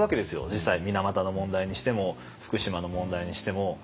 実際水俣の問題にしても福島の問題にしても。